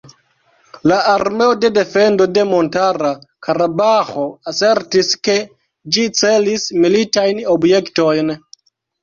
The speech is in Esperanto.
La armeo de defendo de Montara Karabaĥo asertis ke ĝi celis militajn objektojn.